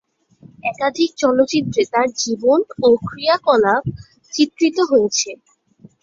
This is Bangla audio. একাধিক চলচ্চিত্রে তার জীবন ও ক্রিয়াকলাপ চিত্রিত হয়েছে।